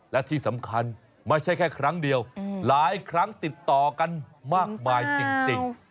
และที่สำคัญไม่ใช่แค่ครั้งเดียวหลายครั้งติดต่อกันมากมายจริง